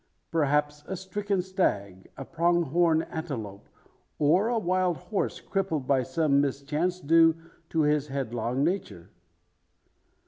Perhaps, a stricken stag, a prong horn antelope, or a wild horse crippled by some mischance due to his headlong nature?